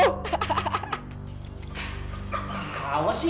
gak tau sih